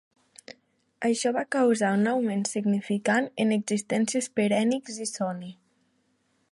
Això va causar un augment significant en existències per Enix i Sony.